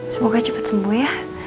semoga cepat sembuh ya